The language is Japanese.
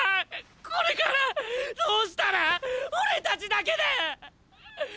これからどうしたら⁉オレたちだけで⁉っ！！